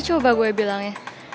ya udah deh gue